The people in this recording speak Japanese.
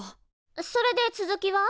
それで続きは？